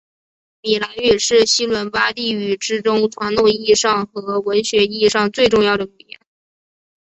米兰语是西伦巴第语之中传统意义上和文学意义上最重要的语言。